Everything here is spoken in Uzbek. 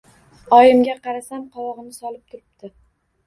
Oyimga qarasam, qovog‘ini solib turibdi.